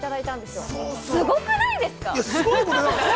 すごくないですか。